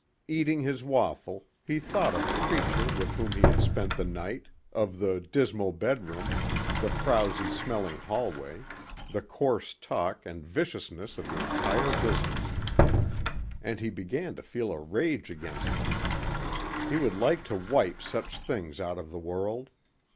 Eating his waffle, he thought of the creature with whom he had spent the night, of the dismal bedroom, the frowsy smelling hallway, the coarse talk and viciousness of the entire business. And he began to feel a rage against them. He would like to wipe such things out of the world.